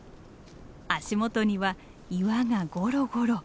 足元には岩がゴロゴロ。